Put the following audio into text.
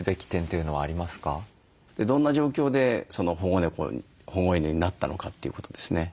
どんな状況で保護猫保護犬になったのかということですね。